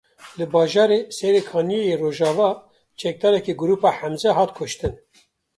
Li bajarê Serê Kaniyê yê Rojava çekdarekî grûpa Hemze hat kuştin.